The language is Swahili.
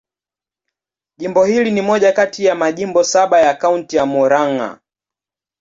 Jimbo hili ni moja kati ya majimbo saba ya Kaunti ya Murang'a.